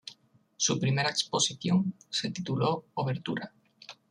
Su primera exposición se tituló "Obertura".